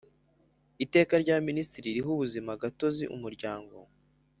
Iteka rya Minisitiri riha ubuzimagatozi Umuryango